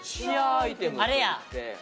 あれや。